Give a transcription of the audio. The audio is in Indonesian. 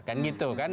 kan gitu kan